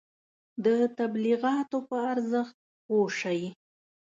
د تبلیغاتو په ارزښت پوه شئ.